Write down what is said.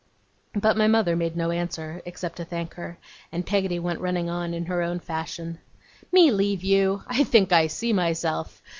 But my mother made no answer, except to thank her, and Peggotty went running on in her own fashion. 'Me leave you? I think I see myself.